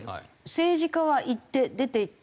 政治家は行って出ていっていいの？